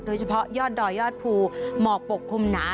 โดยเฉพาะยอดดอยยอดภูหมอกปกคลุมหนา